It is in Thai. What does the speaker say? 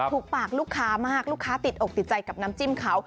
ถูกปากลูกค้ามากลูกค้าติดอกติดใจกับน้ำจิ้มเขา